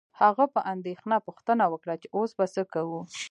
هغه په اندیښنه پوښتنه وکړه چې اوس به څه کوو